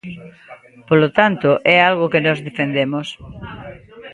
Polo tanto, é algo que nós defendemos.